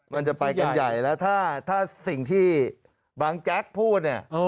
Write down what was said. มันจะไปกันใหญ่แล้วถ้าสิ่งที่บางแจ๊กพูดเนี่ย